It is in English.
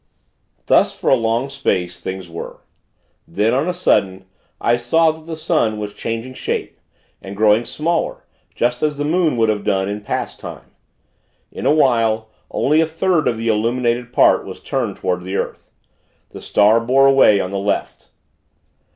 Thus, for a long space, things were. Then, on a sudden, I saw that the sun was changing shape, and growing smaller, just as the moon would have done in past time. In a while, only a third of the illuminated part was turned toward the earth. The Star bore away on the left.